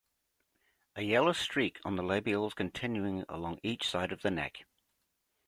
A yellow streak on the labials, continuing along each side of the neck.